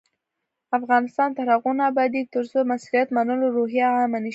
افغانستان تر هغو نه ابادیږي، ترڅو د مسؤلیت منلو روحیه عامه نشي.